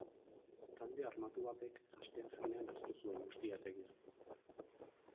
Talde armatu batek asteazkenean hartu zuen ustiategia.